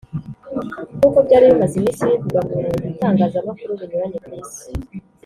nkuko byari bimaze iminsi bivugwa mu bitangazamakuru binyuranye ku isi